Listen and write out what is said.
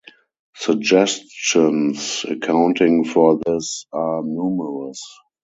Suggestions accounting for this are numerous.